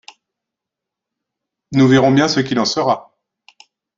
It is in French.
Nous verrons bien ce qu’il en sera.